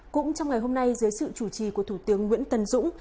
cũng trong ngày hôm nay dưới sự chủ trì của thủ tướng nguyễn tân dũng